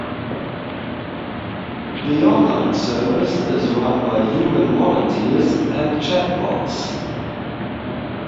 The online service is run by human volunteers and chatbots.